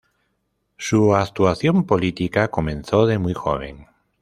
Su actuación política comenzó de muy joven.